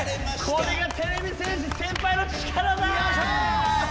これがてれび戦士先輩の力だ！よいしょ！